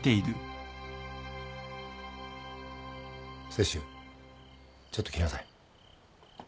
清舟ちょっと来なさい。